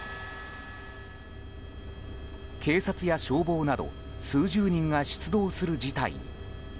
警察や消防など数十人が出動する事態に。